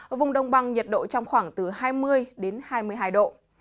ở vùng đồng bằng nhiệt độ trong khoảng từ hai mươi hai mươi hai độ